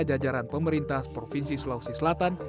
jajaran pemerintah provinsi sulawesi selatan